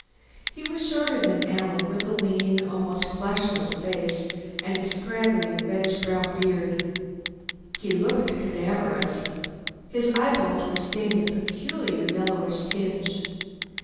He was shorter than Alan, with a lean, almost fleshless face and a scraggly reddish brown beard. He looked cadaverous. His eyeballs were stained a peculiar yellowish tinge.